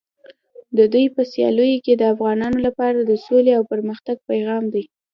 د دوی په سیالیو کې د افغانانو لپاره د سولې او پرمختګ پیغام دی.